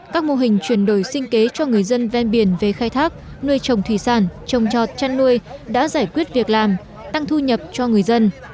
các mô hình chuyển đổi sinh kế cho người dân ven biển về khai thác nuôi trồng thủy sản trồng trọt chăn nuôi đã giải quyết việc làm tăng thu nhập cho người dân